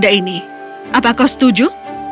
apa kau setuju